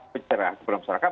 pencerahan kepada masyarakat